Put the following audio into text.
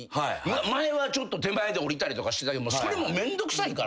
前はちょっと手前で降りたりとかしてたけどそれもめんどくさいから。